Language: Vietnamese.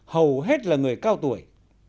hầu hết là người cao tuổi